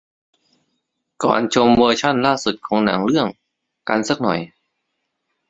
ก่อนชมเวอร์ชั่นล่าสุดของหนังเรื่อง กันสักหน่อย